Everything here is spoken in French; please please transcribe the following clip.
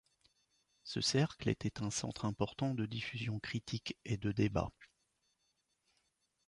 Ce cercle était un centre important de diffusion critique et de débats.